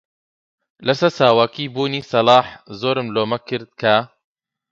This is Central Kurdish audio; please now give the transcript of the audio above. لەسەر ساواکی بوونی سەلاح زۆرم لۆمە کرد کە: